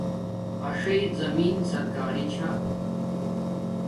اݽݵ زمیں سرکاری چھا